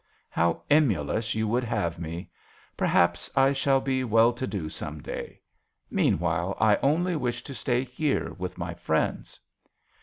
" How emulous you would have me. Perhaps I shall be well to do some day ; meanwhile I only wish to stay here with my friends."